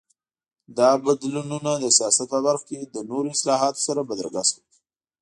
دا بدلونونه د سیاست په برخه کې له نورو اصلاحاتو سره بدرګه شول.